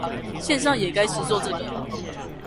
線上也該實作這個